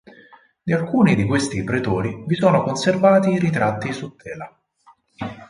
Di alcuni di questi pretori vi sono conservati i ritratti su tela.